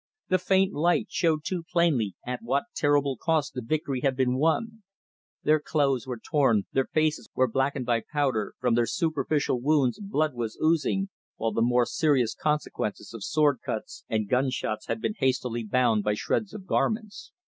The faint light showed too plainly at what terrible cost the victory had been won. Their clothes were torn, their faces were blackened by powder, from their superficial wounds blood was oozing, while the more serious consequences of sword cuts and gun shots had been hastily bound by shreds of garments.